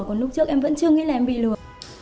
còn lúc trước em vẫn chưa nghĩ là em bị luộc